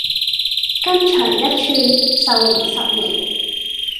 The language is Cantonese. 筋長一寸，壽延十年